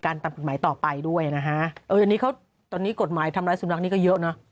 ตามกฎหมายต่อไปด้วยนะฮะเอออันนี้เขาตอนนี้กฎหมายทำร้ายสุนัขนี่ก็เยอะเนอะ